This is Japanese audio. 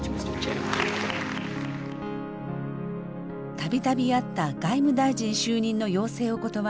度々あった外務大臣就任の要請を断り